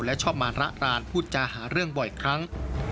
และชอบมาระรานพูดจาหาเรื่องบ่อยครั้ง